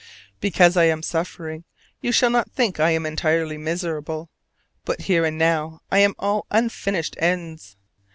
Because I am suffering, you shall not think I am entirely miserable. But here and now I am all unfinished ends.